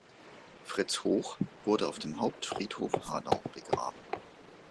Fritz Hoch wurde auf dem Hauptfriedhof Hanau begraben.